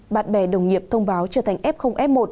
bạn bè đồng nghiệp thông báo trở thành f f một